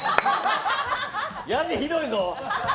やじ、ひどいぞ！